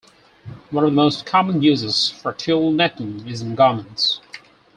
One of the most common uses for tulle netting is in garments.